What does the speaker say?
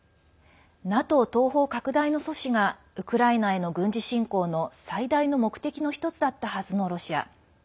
東方拡大阻止がウクライナへの軍事侵攻の最大の目的の１つだったはずのロシア。